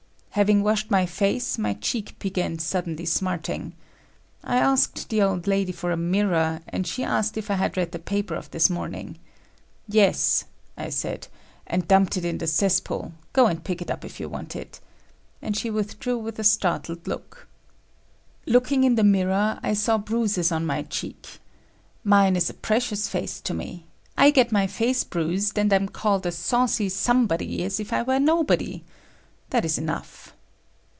Having washed my face, my cheek began suddenly smarting. I asked the old lady for a mirror, and she asked if I had read the paper of this morning. "Yes," I said, "and dumped it in the cesspool; go and pick it up if you want it,"—and she withdrew with a startled look. Looking in the mirror, I saw bruises on my cheek. Mine is a precious face to me. I get my face bruised, and am called a saucy Somebody as if I were nobody. That is enough.